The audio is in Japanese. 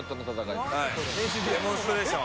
デモンストレーション。